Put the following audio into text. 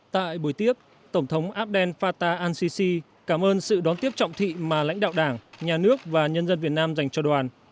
tại buổi tiếp tổng thống abdel fattah al sisi cảm ơn sự đón tiếp trọng thị mà lãnh đạo đảng nhà nước và nhân dân việt nam dành cho đoàn